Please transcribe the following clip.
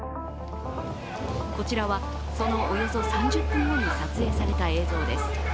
こちらは、そのおよそ３０分後に撮影された映像です。